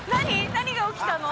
何が起きたの？